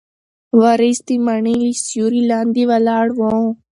وارث د مڼې له سیوري لاندې ولاړ و.